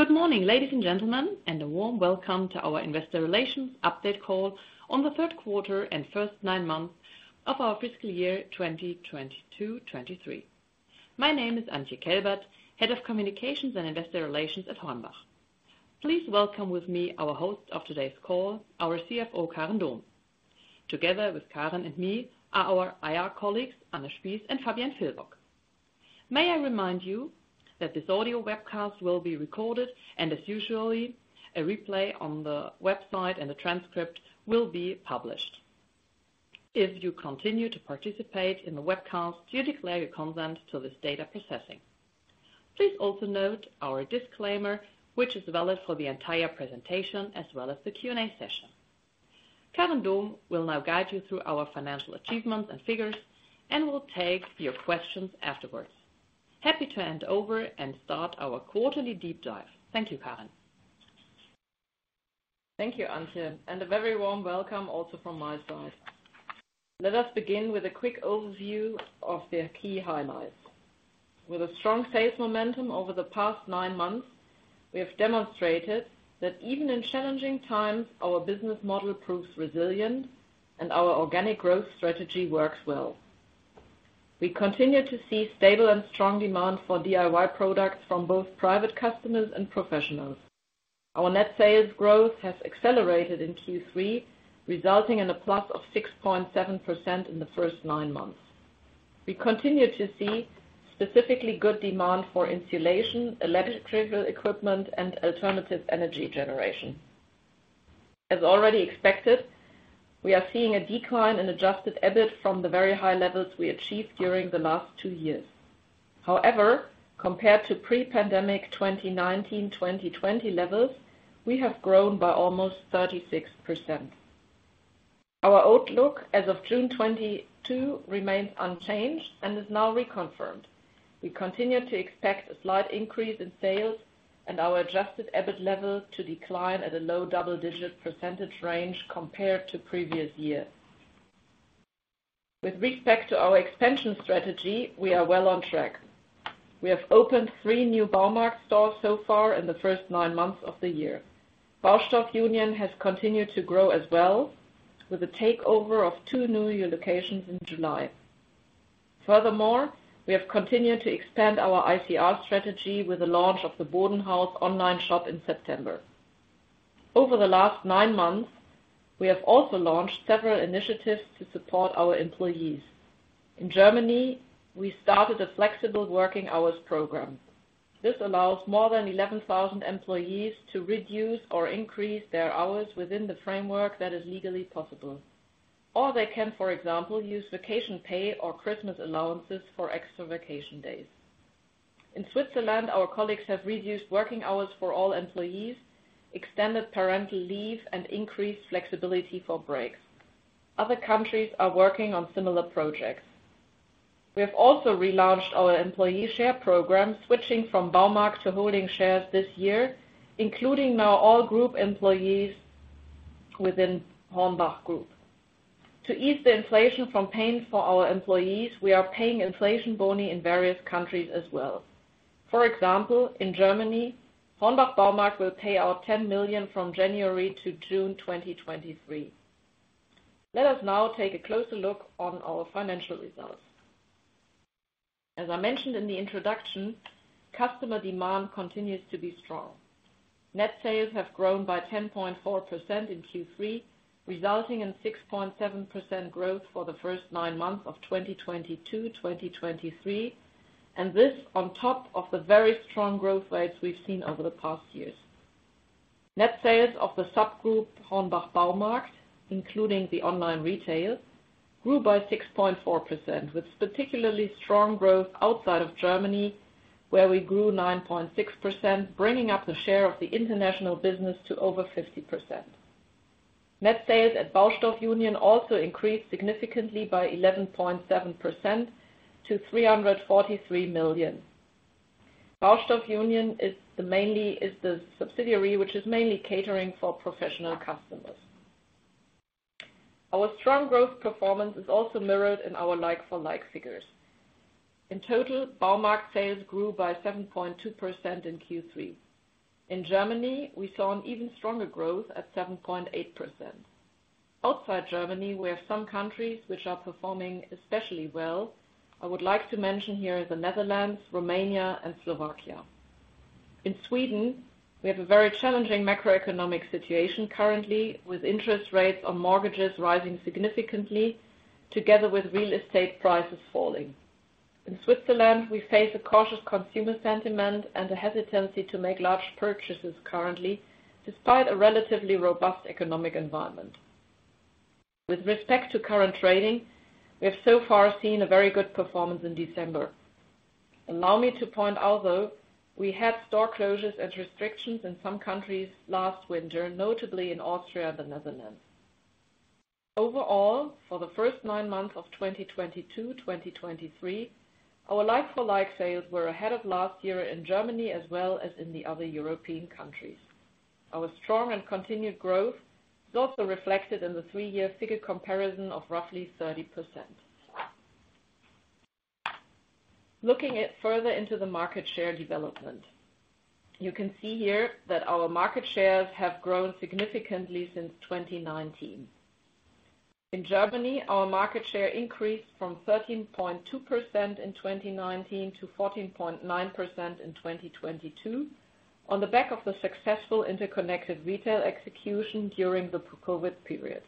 Good morning, ladies and gentlemen. A warm welcome to our investor relations update call on the third quarter and first nine months of our fiscal year 2022/2023. My name is Antje Kelbert, head of communications and investor relations at HORNBACH. Please welcome with me our host of today's call, our CFO, Karin Dohm. Together with Karin and me are our IR colleagues, Anne Spies and Fabienne Villwock. May I remind you that this audio webcast will be recorded, and as usually, a replay on the website and the transcript will be published. If you continue to participate in the webcast, you declare your consent to this data processing. Please also note our disclaimer, which is valid for the entire presentation as well as the Q&A session. Karin Dohm will now guide you through our financial achievements and figures and will take your questions afterwards. Happy to hand over and start our quarterly deep dive. Thank you, Karin. Thank you, Antje. A very warm welcome also from my side. Let us begin with a quick overview of the key highlights. With a strong sales momentum over the past nine months, we have demonstrated that even in challenging times, our business model proves resilient and our organic growth strategy works well. We continue to see stable and strong demand for DIY products from both private customers and professionals. Our net sales growth has accelerated in Q3, resulting in a plus of 6.7% in the first nine months. We continue to see specifically good demand for insulation, electrical equipment, and alternative energy generation. As already expected, we are seeing a decline in adjusted EBIT from the very high levels we achieved during the last two years. However, compared to pre-pandemic 2019/2020 levels, we have grown by almost 36%. Our outlook as of June 22 remains unchanged and is now reconfirmed. We continue to expect a slight increase in sales and our adjusted EBIT levels to decline at a low double-digit percentage range compared to previous years. With respect to our expansion strategy, we are well on track. We have opened three new Baumarkt stores so far in the first nine months of the year. Baustoff Union has continued to grow as well with the takeover of two new locations in July. Furthermore, we have continued to expand our ICR strategy with the launch of the BODENHAUS online shop in September. Over the last nine months, we have also launched several initiatives to support our employees. In Germany, we started a flexible working hours program. This allows more than 11,000 employees to reduce or increase their hours within the framework that is legally possible. They can, for example, use vacation pay or Christmas allowances for extra vacation days. In Switzerland, our colleagues have reduced working hours for all employees, extended parental leave, and increased flexibility for breaks. Other countries are working on similar projects. We have also relaunched our employee share program, switching from Baumarkt to holding shares this year, including now all group employees within HORNBACH Group. To ease the inflation from paying for our employees, we are paying inflation boni in various countries as well. For example, in Germany, HORNBACH Baumarkt will pay out 10 million from January to June 2023. Let us now take a closer look on our financial results. As I mentioned in the introduction, customer demand continues to be strong. Net sales have grown by 10.4% in Q3, resulting in 6.7% growth for the first nine months of 2022/2023, and this on top of the very strong growth rates we've seen over the past years. Net sales of the subgroup, HORNBACH Baumarkt, including the online retail, grew by 6.4%, with particularly strong growth outside of Germany, where we grew 9.6%, bringing up the share of the international business to over 50%. Net sales at Baustoff Union also increased significantly by 11.7% to 343 million. Baustoff Union is the subsidiary which is mainly catering for professional customers. Our strong growth performance is also mirrored in our like-for-like figures. In total, Baumarkt sales grew by 7.2% in Q3. In Germany, we saw an even stronger growth at 7.8%. Outside Germany, we have some countries which are performing especially well. I would like to mention here the Netherlands, Romania, and Slovakia. In Sweden, we have a very challenging macroeconomic situation currently, with interest rates on mortgages rising significantly together with real estate prices falling. In Switzerland, we face a cautious consumer sentiment and a hesitancy to make large purchases currently, despite a relatively robust economic environment. With respect to current trading, we have so far seen a very good performance in December. Allow me to point out, though, we had store closures and restrictions in some countries last winter, notably in Austria and the Netherlands. Overall, for the first nine months of 2022/2023, our like-for-like sales were ahead of last year in Germany as well as in the other European countries. Our strong and continued growth is also reflected in the three-year figure comparison of roughly 30%. Looking at further into the market share development. You can see here that our market shares have grown significantly since 2019. In Germany, our market share increased from 13.2% in 2019 to 14.9% in 2022, on the back of the successful interconnected retail execution during the Covid period.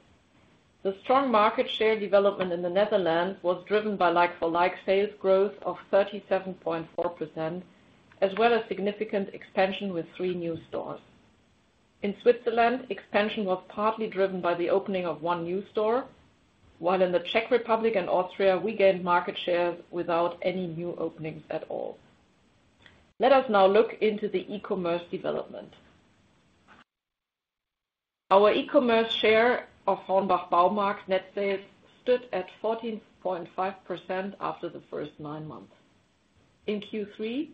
The strong market share development in the Netherlands was driven by like-for-like sales growth of 37.4%, as well as significant expansion with three new stores. In Switzerland, expansion was partly driven by the opening of one new store, while in the Czech Republic and Austria, we gained market shares without any new openings at all. Let us now look into the e-commerce development. Our e-commerce share of HORNBACH Baumarkt net sales stood at 14.5% after the first nine months. In Q3,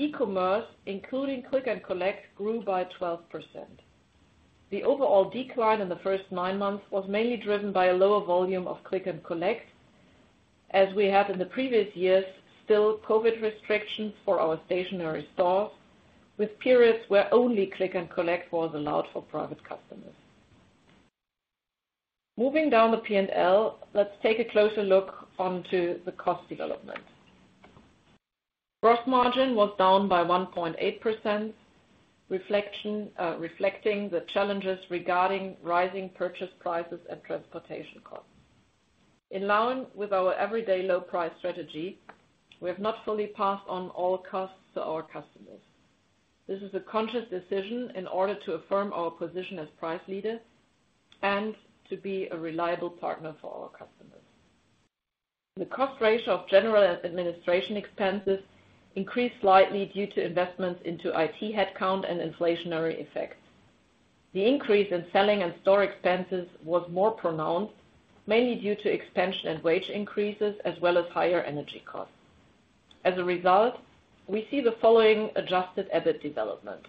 e-commerce, including Click & Collect, grew by 12%. The overall decline in the first nine months was mainly driven by a lower volume of Click & Collect, as we had in the previous years, still Covid restrictions for our stationary stores, with periods where only Click & Collect was allowed for private customers. Moving down the P&L, let's take a closer look onto the cost development. Gross margin was down by 1.8%, reflecting the challenges regarding rising purchase prices and transportation costs. In line with our everyday low price strategy, we have not fully passed on all costs to our customers. This is a conscious decision in order to affirm our position as price leader and to be a reliable partner for our customers. The cost ratio of general administration expenses increased slightly due to investments into IT headcount and inflationary effects. The increase in selling and store expenses was more pronounced, mainly due to expansion and wage increases, as well as higher energy costs. We see the following adjusted EBIT development.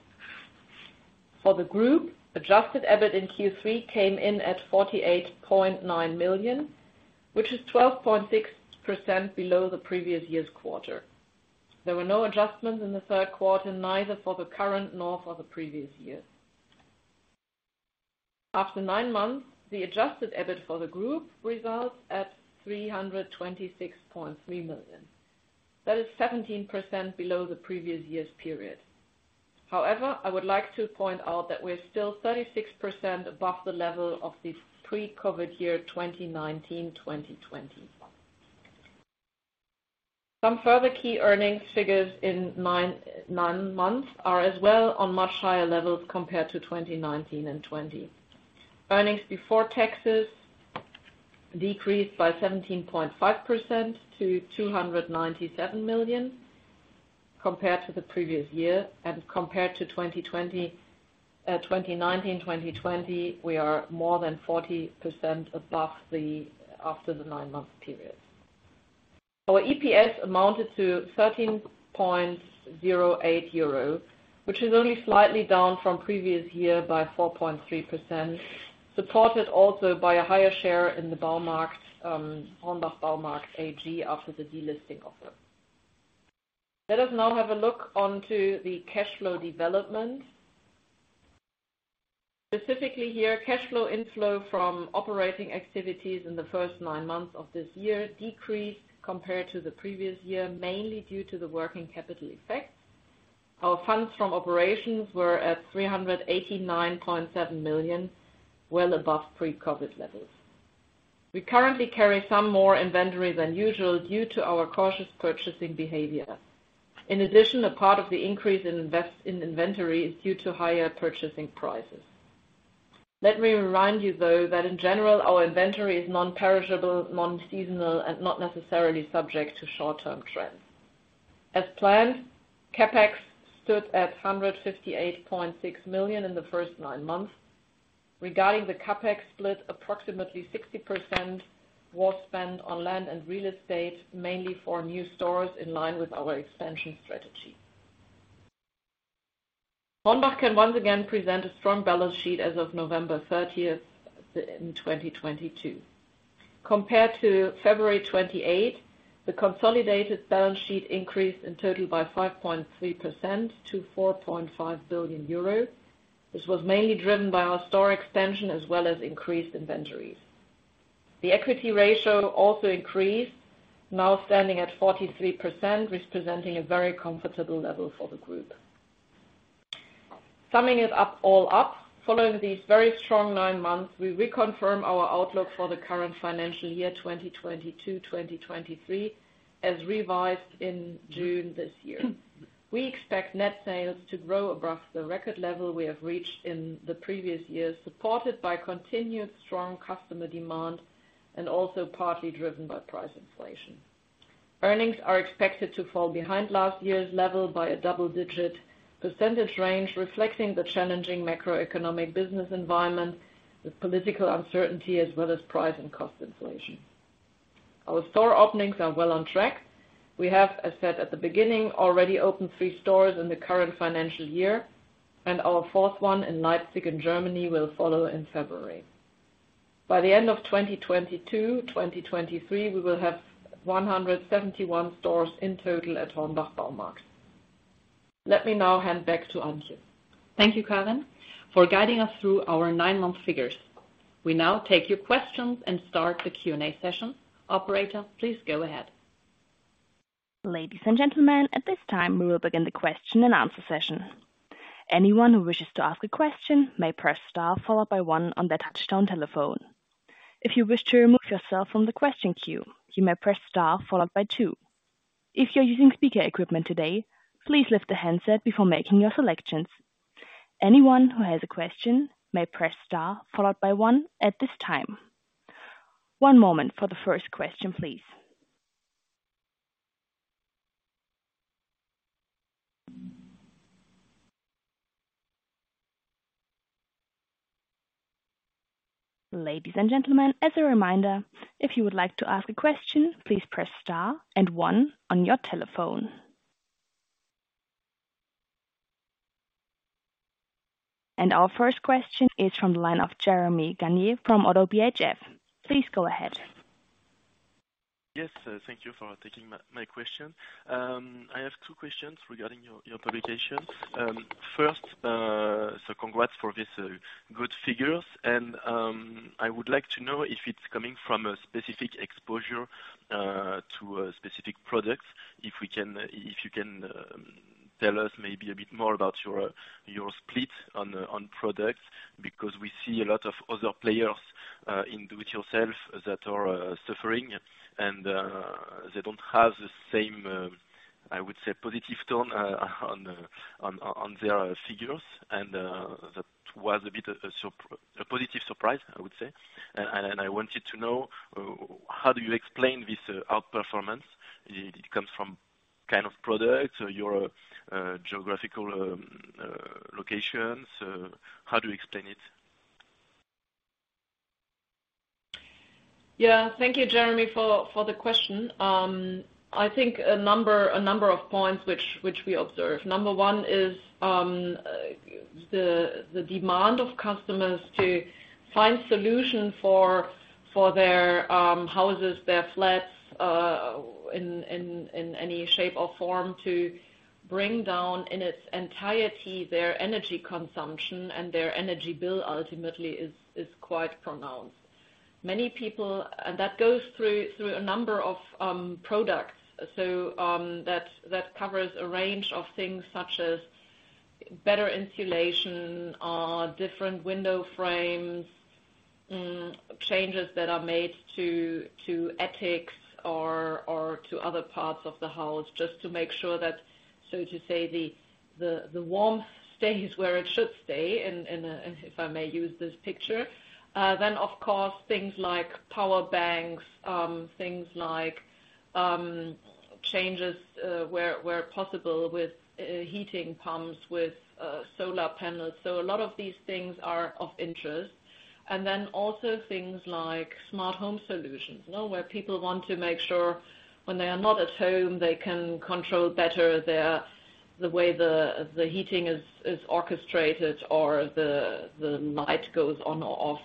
For the group, adjusted EBIT in Q3 came in at 48.9 million, which is 12.6% below the previous year's quarter. There were no adjustments in the third quarter, neither for the current nor for the previous year. After nine months, the adjusted EBIT for the group results at 326.3 million. That is 17% below the previous year's period. I would like to point out that we're still 36% above the level of the pre-Covid year, 2019, 2020. Some further key earnings figures in nine months are as well on much higher levels compared to 2019 and 2020. Earnings before taxes decreased by 17.5% to 297 million compared to the previous year. Compared to 2019, 2020, we are more than 40% above the, after the nine-month period. Our EPS amounted to 13.08 euro, which is only slightly down from previous year by 4.3%, supported also by a higher share in the Baumarkt, HORNBACH Baumarkt AG after the delisting offer. Let us now have a look onto the cash flow development. Specifically here, cash flow inflow from operating activities in the first nine months of this year decreased compared to the previous year, mainly due to the working capital effects. Our funds from operations were at 389.7 million, well above pre-Covid levels. We currently carry some more inventory than usual due to our cautious purchasing behavior. A part of the increase in inventory is due to higher purchasing prices. Let me remind you, though, that in general, our inventory is non-perishable, non-seasonal, and not necessarily subject to short-term trends. As planned, CapEx stood at 158.6 million in the first nine months. Regarding the CapEx split, approximately 60% was spent on land and real estate, mainly for new stores in line with our expansion strategy. HORNBACH can once again present a strong balance sheet as of November 30th in 2022. Compared to February 28, the consolidated balance sheet increased in total by 5.3% to 4.5 billion euros. This was mainly driven by our store expansion as well as increased inventories. The equity ratio also increased, now standing at 43%, representing a very comfortable level for the group. Summing it up all up, following these very strong nine months, we reconfirm our outlook for the current financial year, 2022, 2023, as revised in June this year. We expect net sales to grow above the record level we have reached in the previous years, supported by continued strong customer demand and also partly driven by price inflation. Earnings are expected to fall behind last year's level by a double-digit percentage range, reflecting the challenging macroeconomic business environment with political uncertainty as well as price and cost inflation. Our store openings are well on track. We have, as said at the beginning, already opened three stores in the current financial year. Our fourth one in Leipzig, in Germany, will follow in February. By the end of 2022, 2023, we will have 171 stores in total at HORNBACH Baumarkt. Let me now hand back to Antje. Thank you, Karin, for guiding us through our nine-month figures. We now take your questions and start the Q&A session. Operator, please go ahead. Ladies and gentlemen, at this time, we will begin the question and answer session. Anyone who wishes to ask a question may press star followed by one on their touch-tone telephone. If you wish to remove yourself from the question queue, you may press star followed by two. If you're using speaker equipment today, please lift the handset before making your selections. Anyone who has a question may press star followed by one at this time. One moment for the first question, please. Ladies and gentlemen, as a reminder, if you would like to ask a question, please press star and one on your telephone. Our first question is from the line of Jérémy Garnier from ODDO BHF. Please go ahead. Yes, thank you for taking my question. I have two questions regarding your publication. First, congrats for this good figures. I would like to know if it's coming from a specific exposure to specific products. If you can tell us maybe a bit more about your split on products, because we see a lot of other players in do it yourself that are suffering and they don't have the same, I would say, positive tone on their figures. That was a bit of a positive surprise, I would say. I wanted to know, how do you explain this outperformance? It comes from kind of products or your geographical locations. How do you explain it? Yeah. Thank you, Jeremy, for the question. I think a number of points which we observe. Number one is the demand of customers to find solution for their houses, their flats, in any shape or form to bring down, in its entirety, their energy consumption and their energy bill ultimately is quite pronounced. Many people. That goes through a number of products. That covers a range of things such as better insulation, different window frames, changes that are made to attics or to other parts of the house, just to make sure that, so to say, the warmth stays where it should stay, and if I may use this picture. Then of course, things like power banks, things like changes where possible with heating pumps, with solar panels. So a lot of these things are of interest. Then also things like smart home solutions, you know, where people want to make sure when they are not at home, they can control better their, the way the heating is orchestrated or the light goes on or off.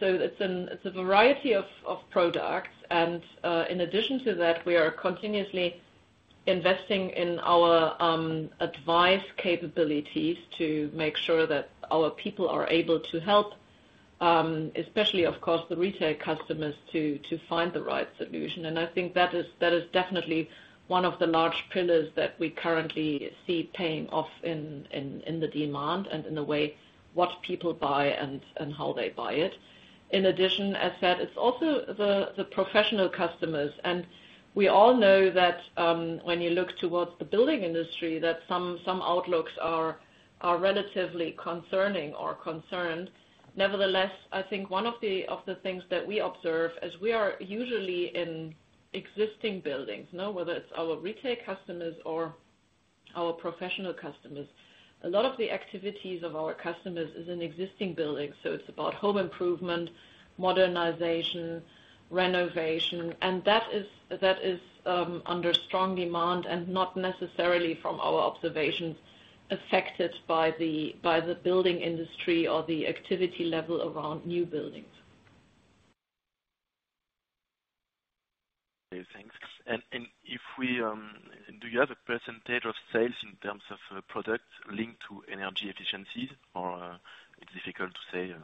It's a variety of products. In addition to that, we are continuously investing in our advice capabilities to make sure that our people are able to help, especially, of course, the retail customers to find the right solution. I think that is definitely one of the large pillars that we currently see paying off in the demand and in the way what people buy and how they buy it. In addition, as said, it's also the professional customers. We all know that when you look towards the building industry, that some outlooks are relatively concerning or concerned. Nevertheless, I think one of the things that we observe as we are usually in existing buildings, you know, whether it's our retail customers or our professional customers, a lot of the activities of our customers is in existing buildings. It's about home improvement, modernization, renovation, and that is under strong demand and not necessarily from our observations affected by the building industry or the activity level around new buildings. Okay, thanks. If we, do you have a percentage of sales in terms of products linked to energy efficiencies or it's difficult to say?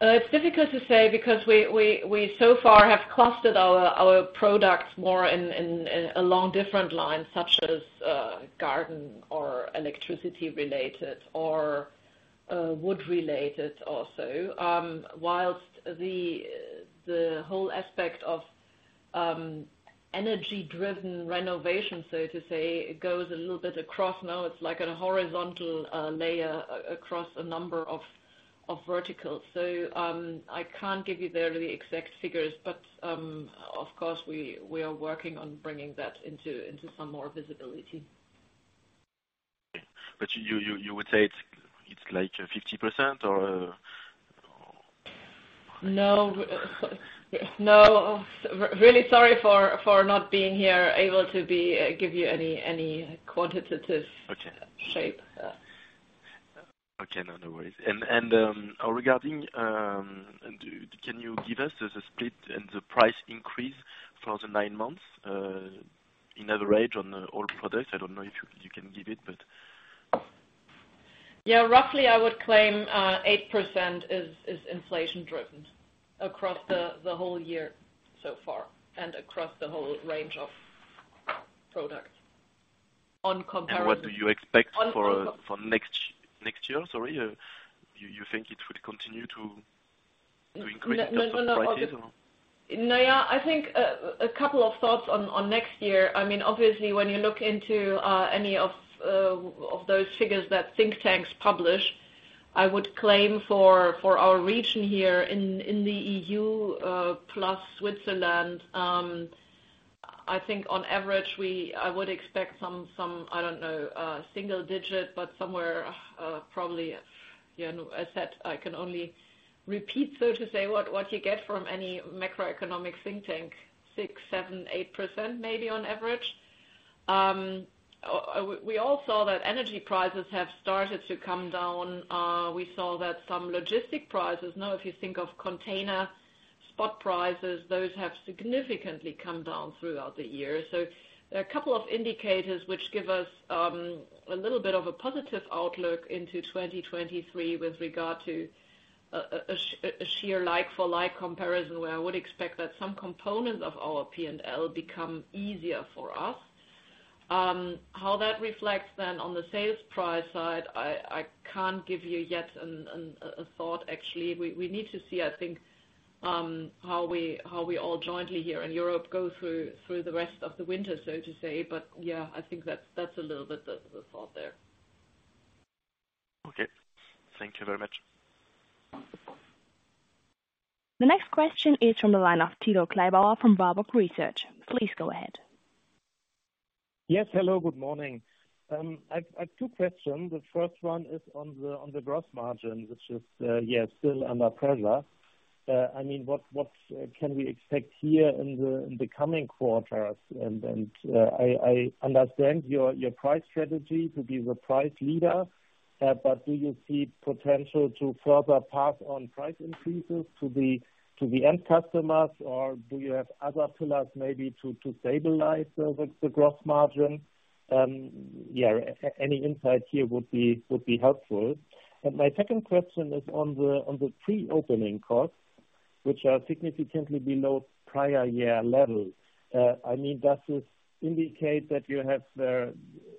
It's difficult to say because we so far have clustered our products more in along different lines, such as garden or electricity-related or wood-related also. Whilst the whole aspect of energy-driven renovation, so to say, goes a little bit across now. It's like a horizontal layer across a number of verticals. I can't give you there the exact figures, but of course, we are working on bringing that into some more visibility. Okay. You would say it's like 50% or... No. No. really sorry for not being here able to be, give you any quantitative shape. Yeah. Okay. No, no worries. Regarding, can you give us the split and the price increase for the nine months, in average on, all products? I don't know if you can give it, but. Yeah. Roughly I would claim, 8% is inflation driven across the whole year so far and across the whole range of products on comparison- What do you expect for next year? Sorry. You think it would continue to increase the prices or? No, yeah. I think a couple of thoughts on next year. I mean, obviously when you look into any of those figures that think tanks publish, I would claim for our region here in the E.U. plus Switzerland, I think on average I would expect some, I don't know, single digit, but somewhere, probably, you know, as said, I can only repeat what you get from any macroeconomic think tank, 6%, 7%, 8% maybe on average. We all saw that energy prices have started to come down. We saw that some logistic prices, now if you think of container spot prices, those have significantly come down throughout the year. There are a couple of indicators which give us a little bit of a positive outlook into 2023 with regard to a sheer like-for-like comparison, where I would expect that some components of our P&L become easier for us. How that reflects then on the sales price side, I can't give you yet a thought actually. We need to see, I think, how we all jointly here in Europe go through the rest of the winter, so to say. Yeah, I think that's a little bit the thought there. Okay. Thank you very much. The next question is from the line of Thilo Kleibauer from Warburg Research. Please go ahead. Yes. Hello, good morning. I've two questions. The first one is on the gross margin, which is, yeah, still under pressure. I mean, what can we expect here in the coming quarters? I understand your price strategy to be the price leader, but do you see potential to further pass on price increases to the end customers? Or do you have other pillars maybe to stabilize the gross margin? Yeah, any insight here would be helpful. My second question is on the pre-opening costs, which are significantly below prior year levels. I mean, does this indicate that you have a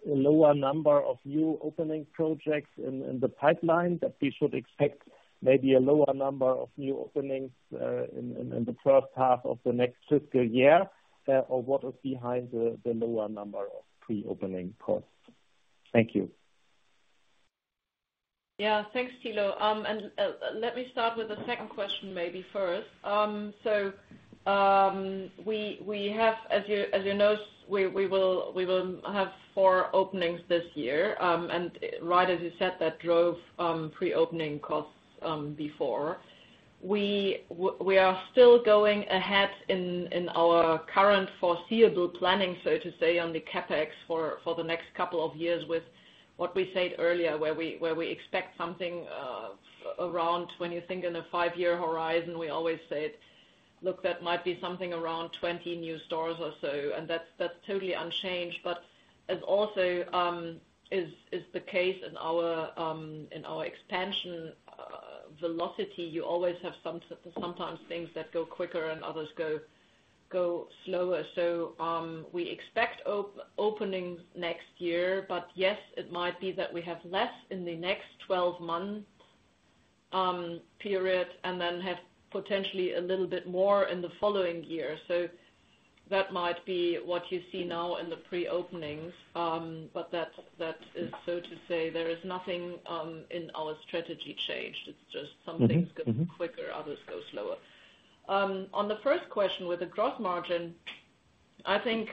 lower number of new opening projects in the pipeline that we should expect maybe a lower number of new openings in the first half of the next fiscal year? Or what is behind the lower number of pre-opening costs? Thank you. Yeah. Thanks, Thilo. Let me start with the second question maybe first. We have, as you know, we will have four openings this year. Right as you said, that drove pre-opening costs before. We are still going ahead in our current foreseeable planning, so to say, on the CapEx for the next couple of years with what we said earlier, where we expect something around when you think in a five-year horizon, we always say, "Look, that might be something around 20 new stores or so." That's totally unchanged. As also is the case in our in our expansion velocity, you always have sometimes things that go quicker and others go slower. We expect openings next year. Yes, it might be that we have less in the next 12-month period and then have potentially a little bit more in the following year. That might be what you see now in the pre-openings. That is so to say, there is nothing in our strategy changed. It's just some things go quicker, others go slower. On the first question with the gross margin, I think,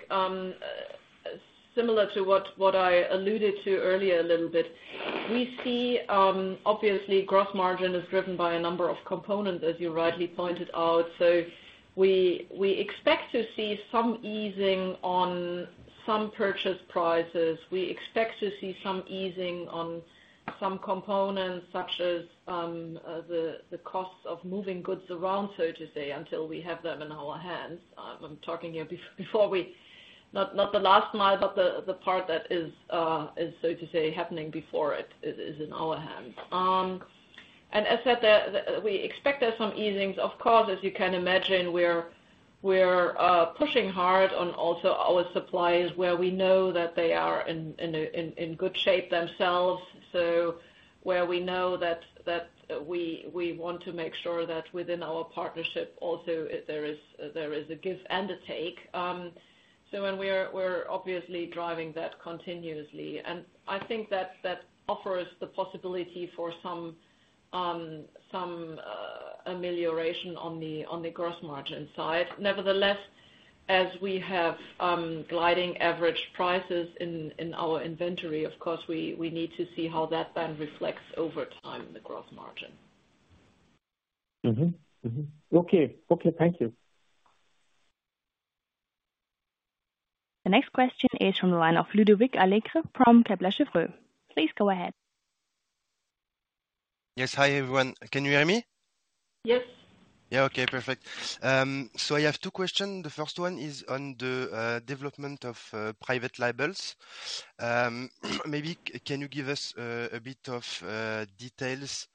similar to what I alluded to earlier a little bit, we see, obviously gross margin is driven by a number of components, as you rightly pointed out. We expect to see some easing on some purchase prices. We expect to see some easing on some components such as the cost of moving goods around, so to say, until we have them in our hands. I'm talking here before we not the last mile, but the part that is so to say, happening before it is in our hands. As said, we expect there's some easings. Of course, as you can imagine, we're pushing hard on also our suppliers where we know that they are in a good shape themselves. Where we know that we want to make sure that within our partnership also there is a give and a take. We're obviously driving that continuously. I think that offers the possibility for some amelioration on the gross margin side. Nevertheless, as we have moving average price in our inventory, of course we need to see how that then reflects over time the gross margin. Okay. Okay. Thank you. The next question is from the line of Ludovic Allegre from Kepler Cheuvreux. Please go ahead. Yes. Hi, everyone. Can you hear me? Yes. Yeah. Okay, perfect. I have two questions. The first one is on the development of private labels. Maybe can you give us a bit of details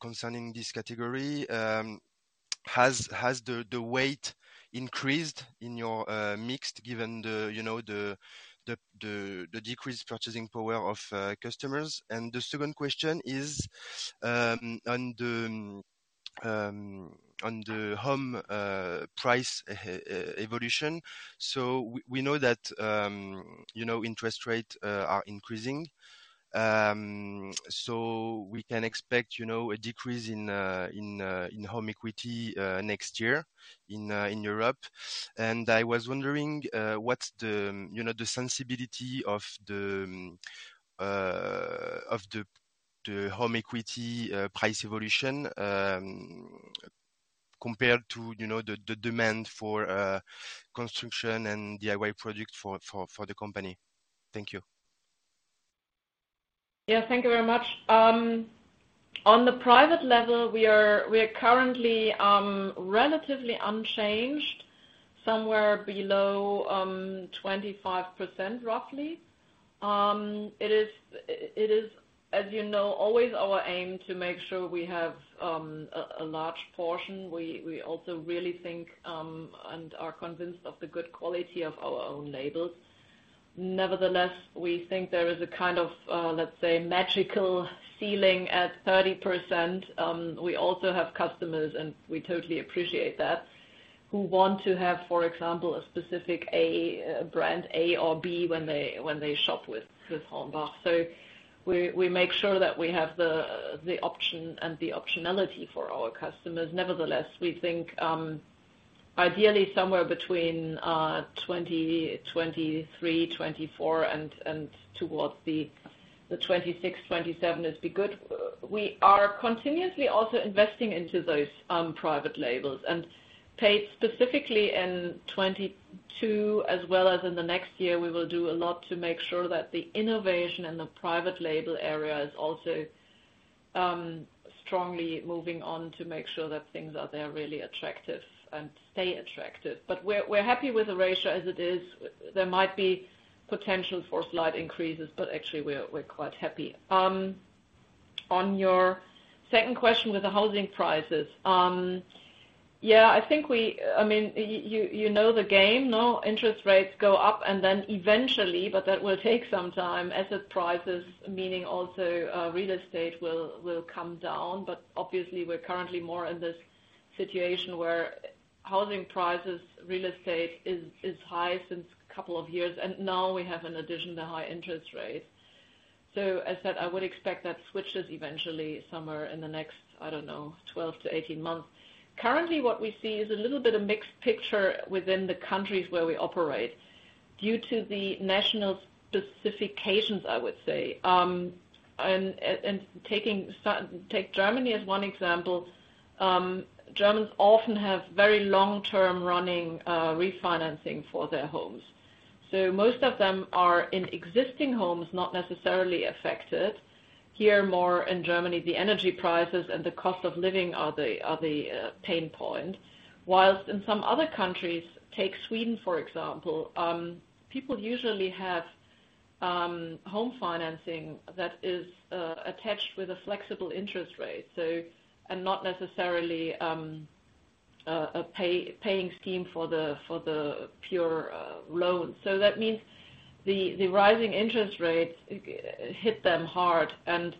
concerning this category? Has the weight increased in your mix given the, you know, the decreased purchasing power of customers? The second question is on the home price evolution. We know that, you know, interest rates are increasing. We can expect, you know, a decrease in home equity next year in Europe. I was wondering, what's the, you know, the sensibility of the home equity price evolution compared to, you know, the demand for construction and DIY products for the company? Thank you. Thank you very much. On the private level, we are currently relatively unchanged, somewhere below 25%, roughly. It is, as you know, always our aim to make sure we have a large portion. We also really think and are convinced of the good quality of our own labels. Nevertheless, we think there is a kind of, let's say, magical ceiling at 30%. We also have customers, and we totally appreciate that, who want to have, for example, a specific A, brand A or B when they shop with HORNBACH. So we make sure that we have the option and the optionality for our customers. Nevertheless, we think ideally somewhere between 20%, 23%, 24% and towards the 26%, 27% would be good. We are continuously also investing into those private labels, and paid specifically in 2022 as well as in the next year, we will do a lot to make sure that the innovation in the private label area is also strongly moving on to make sure that things out there are really attractive and stay attractive. We're happy with the ratio as it is. There might be potential for slight increases, but actually we're quite happy. On your second question with the housing prices. Yeah, I think I mean, you know the game, no? Interest rates go up and then eventually, but that will take some time, asset prices, meaning also real estate will come down. Obviously we're currently more in this situation where housing prices, real estate is high since a couple of years, and now we have an addition to high interest rates. As said, I would expect that switches eventually somewhere in the next, I don't know, 12 to 18 months. Currently, what we see is a little bit of mixed picture within the countries where we operate due to the national specifications, I would say. Take Germany as one example. Germans often have very long-term running refinancing for their homes. Most of them are in existing homes, not necessarily affected. Here more in Germany, the energy prices and the cost of living are the pain point. Whilst in some other countries, take Sweden for example, people usually have home financing that is attached with a flexible interest rate, so, and not necessarily a paying scheme for the pure loan. That means the rising interest rates hit them hard, and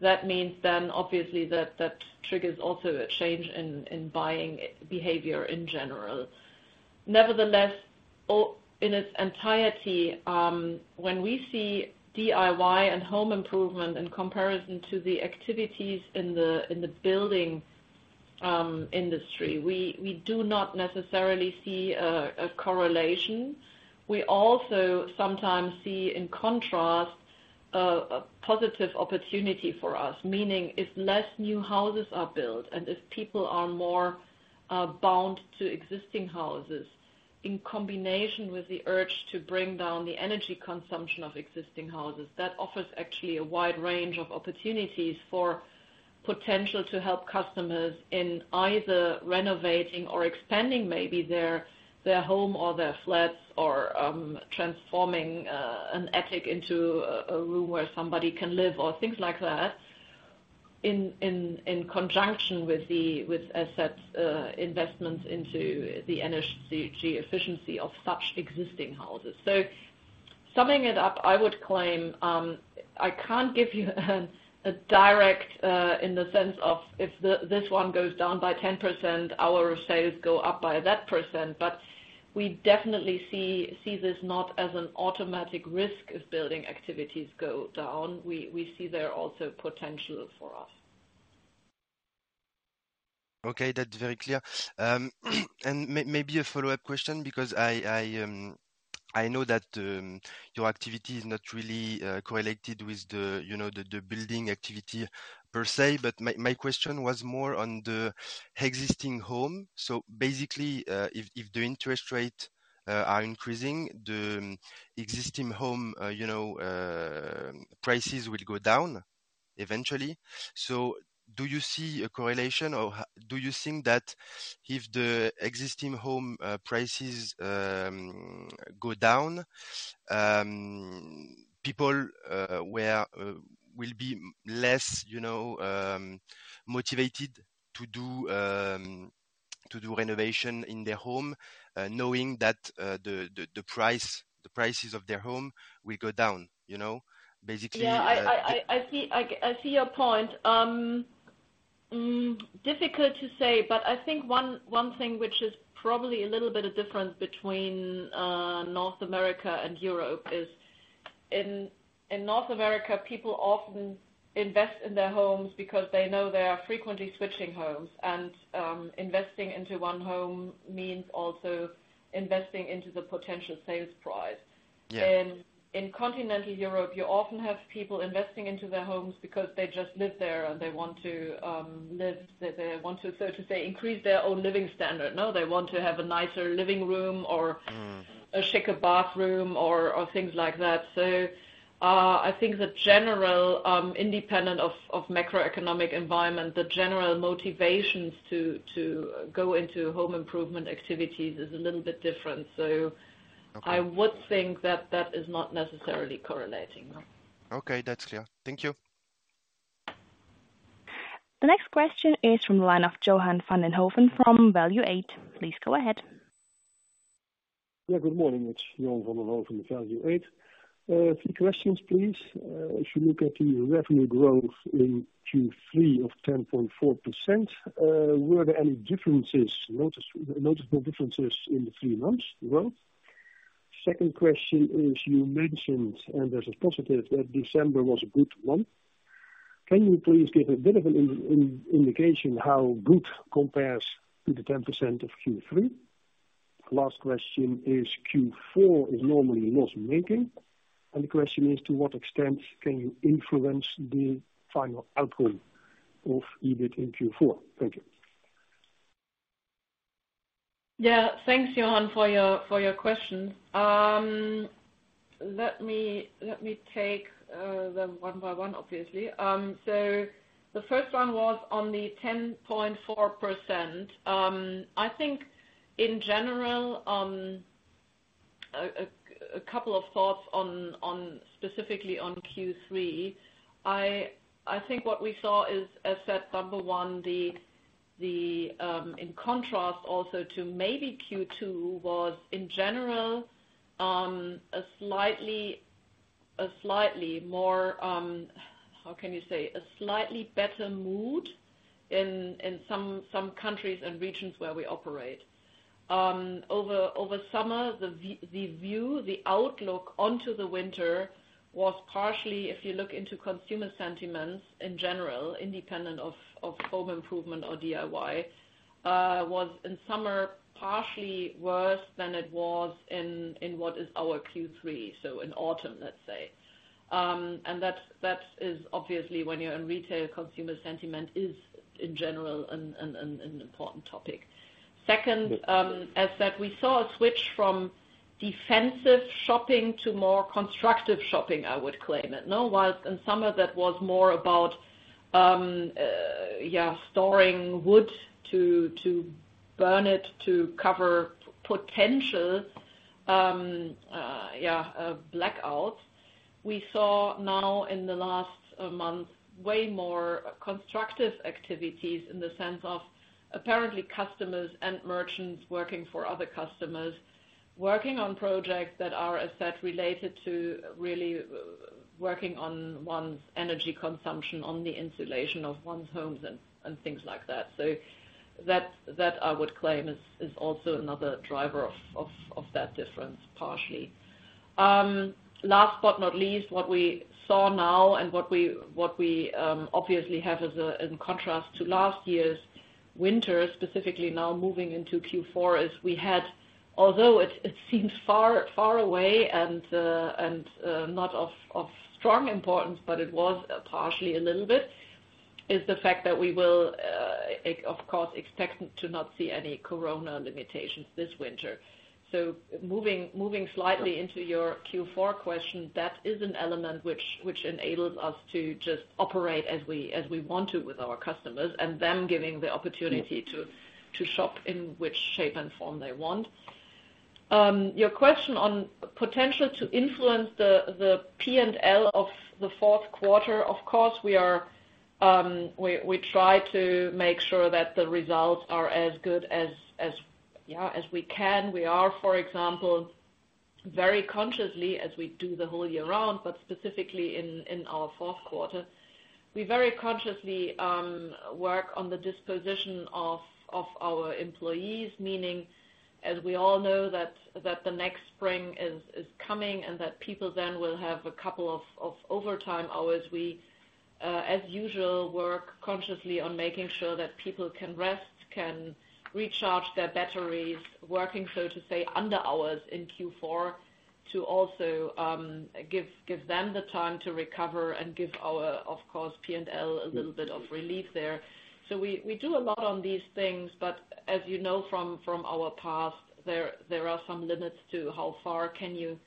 that means then obviously that triggers also a change in buying behavior in general. Nevertheless, in its entirety, when we see DIY and home improvement in comparison to the activities in the building industry, we do not necessarily see a correlation. We also sometimes see, in contrast, a positive opportunity for us. Meaning if less new houses are built and if people are more bound to existing houses, in combination with the urge to bring down the energy consumption of existing houses, that offers actually a wide range of opportunities for potential to help customers in either renovating or expanding maybe their home or their flats or transforming an attic into a room where somebody can live or things like that in conjunction with the assets investments into the energy efficiency of such existing houses. Summing it up, I would claim, I can't give you a direct in the sense of if this one goes down by 10%, our sales go up by that percent. We definitely see this not as an automatic risk if building activities go down. We see there also potential for us. Okay. That's very clear. Maybe a follow-up question because I know that your activity is not really correlated with the, you know, the building activity per se, but my question was more on the existing home. Basically, if the interest rate are increasing, the existing home, you know, prices will go down. Eventually. Do you see a correlation or do you think that if the existing home prices go down, people will be less, you know, motivated to do renovation in their home, knowing that the price, the prices of their home will go down? You know, basically. Yeah. I see your point. difficult to say, but I think one thing which is probably a little bit of difference between North America and Europe is in North America, people often invest in their homes because they know they are frequently switching homes, and investing into one home means also investing into the potential sales price. Yeah. In continental Europe, you often have people investing into their homes because they just live there and they want to live. They want to, so to say, increase their own living standard. No, they want to have a nicer living room or a chicer bathroom or things like that. I think the general, independent of macroeconomic environment, the general motivations to go into home improvement activities is a little bit different. Okay. I would think that that is not necessarily correlating. No. Okay. That's clear. Thank you. The next question is from the line of Johan van den Hooven from Value8. Please go ahead. Yeah. Good morning. It's Johan van den Hooven from Value8. A few questions, please. If you look at the revenue growth in Q3 of 10.4%, were there any differences, noticeable differences in the three months growth? Second question is, you mentioned, and there's a positive, that December was a good one. Can you please give a bit of an indication how good compares to the 10% of Q3? Last question is, Q4 is normally loss-making, and the question is, to what extent can you influence the final outcome of EBIT in Q4? Thank you. Yeah. Thanks, Johan, for your questions. Let me take them one by one, obviously. The first one was on the 10.4%. I think in general, a couple of thoughts on specifically on Q3. I think what we saw is, as said, number one, the in contrast also to maybe Q2 was in general, a slightly more, how can you say, a slightly better mood in some countries and regions where we operate. Over summer, the view, the outlook onto the winter was partially, if you look into consumer sentiments in general, independent of home improvement or DIY, was in summer partially worse than it was in what is our Q3, in autumn, let's say. That is obviously when you're in retail, consumer sentiment is in general an important topic. Second, as said, we saw a switch from defensive shopping to more constructive shopping, I would claim it. Whilst in summer that was more about, yeah, storing wood to burn it to cover potential, yeah, blackouts. We saw now in the last month, way more constructive activities in the sense of apparently customers and merchants working for other customers, working on projects that are as such related to really working on one's energy consumption, on the insulation of one's homes and things like that. That I would claim is also another driver of that difference, partially. Last but not least, what we saw now and what we obviously have as a, in contrast to last year's winter, specifically now moving into Q4, is we had, although it seems far, far away and not of strong importance, but it was partially a little bit, is the fact that we will of course, expect to not see any Covid limitations this winter. Moving slightly into your Q4 question, that is an element which enables us to just operate as we want to with our customers and them giving the opportunity to shop in which shape and form they want. Your question on potential to influence the P&L of the fourth quarter, of course, we are, we try to make sure that the results are as good as we can. We are, for example, very consciously, as we do the whole year round, but specifically in our fourth quarter, we very consciously work on the disposition of our employees, meaning, as we all know that the next spring is coming and that people then will have a couple of overtime hours. We, as usual, work consciously on making sure that people can rest, can recharge their batteries, working, so to say, under hours in Q4 to also give them the time to recover and give our, of course, P&L a little bit of relief there. We do a lot on these things, but as you know from our past, there are some limits to how far can you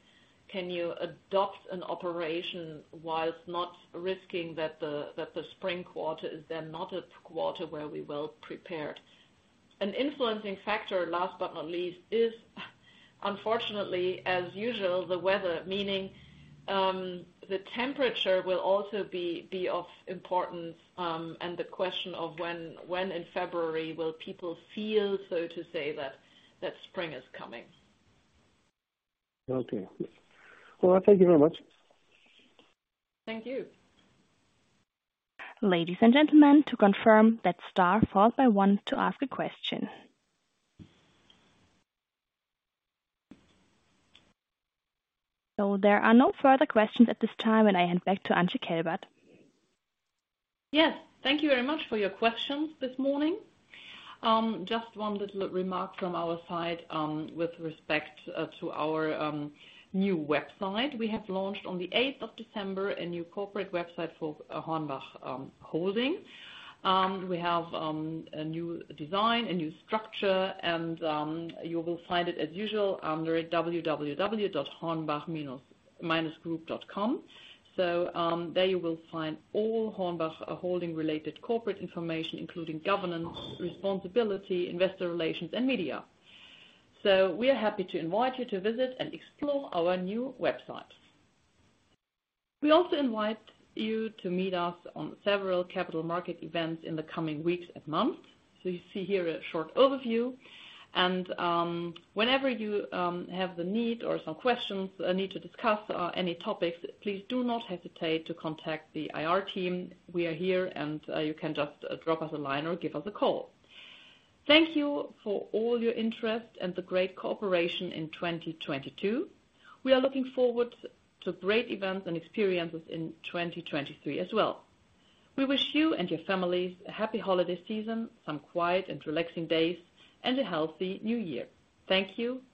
adopt an operation whilst not risking that the spring quarter is then not a quarter where we're well prepared. An influencing factor, last but not least is, unfortunately, as usual, the weather, meaning, the temperature will also be of importance, and the question of when in February will people feel, so to say that spring is coming. Okay. Well, thank you very much. Thank you. Ladies and gentlemen, to confirm that star followed by one to ask a question. There are no further questions at this time. I hand back to Antje Kelbert. Yes. Thank you very much for your questions this morning. Just one little remark from our side, with respect to our new website. We have launched on the 8th of December, a new corporate website for HORNBACH Holding. We have a new design, a new structure, and you will find it as usual under www.hornbachnews-group.com. There you will find all HORNBACH Holding related corporate information, including governance, responsibility, investor relations, and media. We are happy to invite you to visit and explore our new website. We also invite you to meet us on several capital market events in the coming weeks and months. You see here a short overview, and whenever you have the need or some questions, need to discuss any topics, please do not hesitate to contact the IR team. We are here, and you can just drop us a line or give us a call. Thank you for all your interest and the great cooperation in 2022. We are looking forward to great events and experiences in 2023 as well. We wish you and your families a happy holiday season, some quiet and relaxing days, and a healthy new year. Thank you and bye-bye.